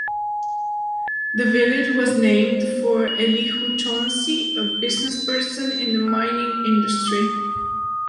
The village was named for Elihu Chauncey, a businessperson in the mining industry.